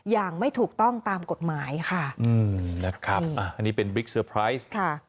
อย่างไม่ถูกต้องตามกฎหมายค่ะอันนี้เป็นบริกเซอร์ไพรส์